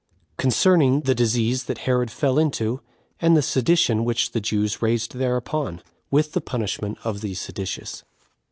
Concerning The Disease That Herod Fell Into And The Sedition Which The Jews Raised Thereupon; With The Punishment Of The Seditious.